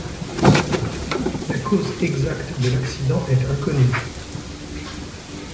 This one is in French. La cause exacte de l'accident est inconnue.